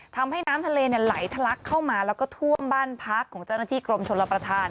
ทำให้น้ำทะเลไหลทะลักเข้ามาแล้วก็ท่วมบ้านพักของเจ้าหน้าที่กรมชนรับประทาน